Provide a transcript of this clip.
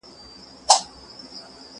نه خبره نه کیسه ترې هېرېدله